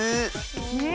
ねえ。